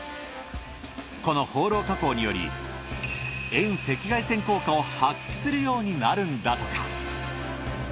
このホーロー加工により遠赤外線効果を発揮するようになるんだとか。